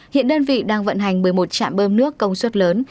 hiện đơn vị đang vận hành một mươi một trạm bơm nước công suất lớn